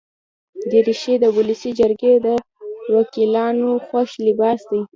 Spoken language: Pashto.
دریشي د ولسي جرګې وکیلانو خوښ لباس دی.